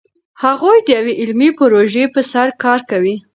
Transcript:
هغوی د یوې علمي پروژې په سر کار کوي.